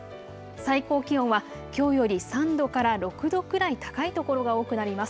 最高気温は、きょうより３度から６度くらい高い所が多くなります。